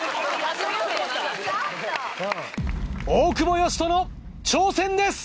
大久保嘉人の挑戦です！